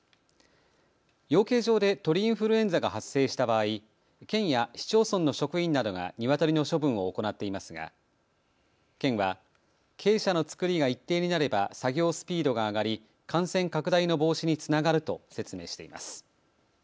養鶏場で鳥インフルエンザが発生した場合、県や市町村の職員などがニワトリの処分を行っていますが県は鶏舎の造りが一定になれば作業スピードが上がり感染拡大の防止につながると説明しています。